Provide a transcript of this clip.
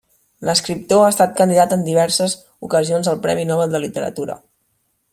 L'escriptor ha estat candidat en diverses ocasions al Premi Nobel de Literatura.